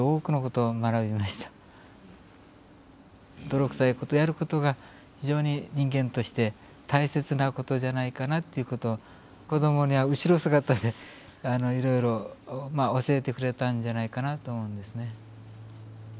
泥臭いことをやることが非常に人間として大切なことじゃないかなっていうことを子供には後ろ姿でいろいろ教えてくれたんじゃないかなと思うんですね。